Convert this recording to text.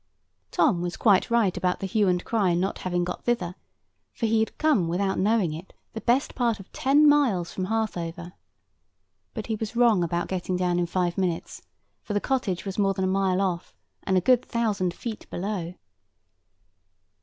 Tom was quite right about the hue and cry not having got thither; for he had come without knowing it, the best part of ten miles from Harthover; but he was wrong about getting down in five minutes, for the cottage was more than a mile off, and a good thousand feet below.